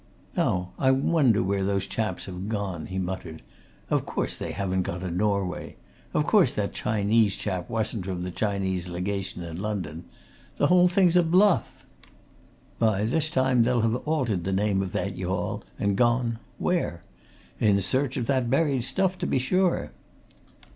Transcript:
"Now, I wonder where those chaps have gone?" he muttered. "Of course they haven't gone to Norway! Of course that Chinese chap wasn't from the Chinese Legation in London! The whole thing's a bluff. By this time they'll have altered the name of that yawl, and gone where? In search of that buried stuff, to be sure!"